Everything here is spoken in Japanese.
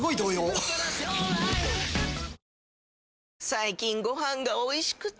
最近ご飯がおいしくて！